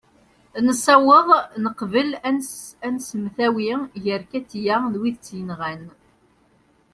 nessaweḍ neqbel ad nsemtawi gar katia d wid i tt-yenɣan